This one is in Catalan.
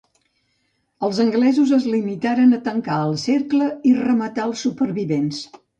Els anglesos es limitaren a tancar el cercle i rematar els supervivents.